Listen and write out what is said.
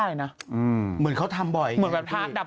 ชอบเหน็บ